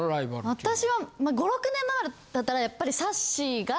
私は５６年前だったらやっぱりさっしーが。